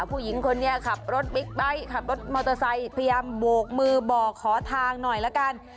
ผู้หญิงคนนี้ขับรถบิ๊กไบท์ขับรถมอเตอร์ไซค์พยายามโบกมือบอกขอทางหน่อยละกัน